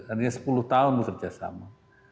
artinya sepuluh tahun bekerja sama